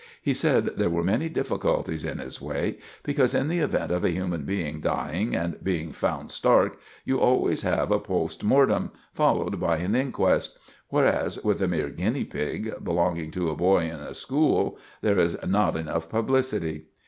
He said there were many difficulties in his way, because in the event of a human being dying and being found stark you always have a post mortem, followed by an inquest; whereas with a mere guinea pig, belonging to a boy in a school, there is not enough publicity.